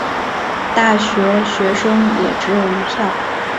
大学学生也只有一票